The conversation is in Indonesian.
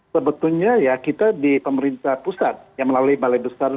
sebetulnya ya kita di pemerintah pusat yang melalui balai besar